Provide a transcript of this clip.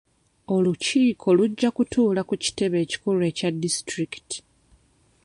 Olukiiko lujja kutuula ku kitebe ekikulu ekya disitulikiti.